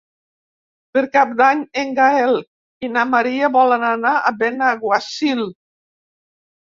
Per Cap d'Any en Gaël i na Maria volen anar a Benaguasil.